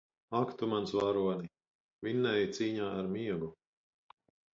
Ak tu, mans varoni! Vinnēji cīņā ar miegu!